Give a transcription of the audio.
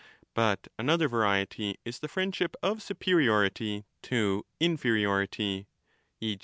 But another variety is the friendship of superiority to inferiority, e.